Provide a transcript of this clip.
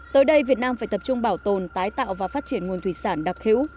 tới đây việt nam phải tập trung bảo tồn tái tạo và phát triển nguồn thủy sản đặc hữu